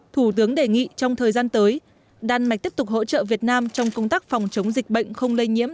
thủ tướng đề nghị trong thời gian tới đan mạch tiếp tục hỗ trợ việt nam trong công tác phòng chống dịch bệnh không lây nhiễm